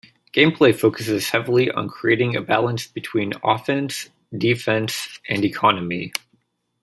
Gameplay focuses heavily on creating a balance between offense, defense, and economy.